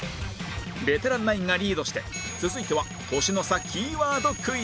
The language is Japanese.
ベテランナインがリードして続いては年の差キーワードクイズへ